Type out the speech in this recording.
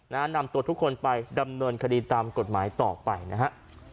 นำตัวทุกคนไปดำเนินคดีตามกฎหมายต่อไปนะฮะ